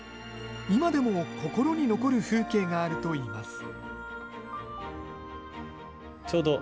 今でも心に残る風景があるといいます。